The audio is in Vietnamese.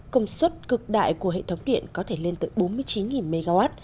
công suất cực đại của hệ thống điện có thể lên tới bốn mươi chín mw